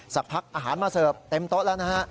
สักพักอาหารมาเสิร์ฟเต็มโต๊ะแล้วนะฮะ